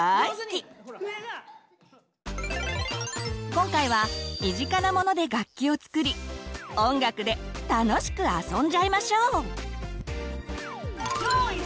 今回は身近なモノで楽器を作り音楽で楽しくあそんじゃいましょう！